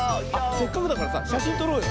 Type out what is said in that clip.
せっかくだからさしゃしんとろうよ。